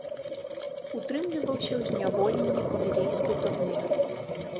Утрымліваўся ў зняволенні ў вілейскай турме.